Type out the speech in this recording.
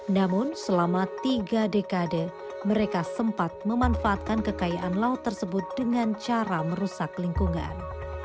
namun selama tiga dekade mereka sempat memanfaatkan kekayaan laut tersebut dengan cara merusak lingkungan